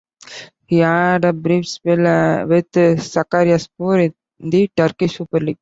He had a brief spell with Sakaryaspor in the Turkish Super Lig.